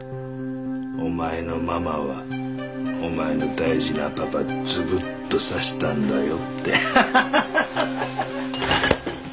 お前のママはお前の大事なパパズブッと刺したんだよってハハハッ！